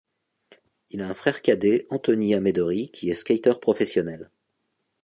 Il a un frère cadet Anthony Amedori qui est skateur professionnel.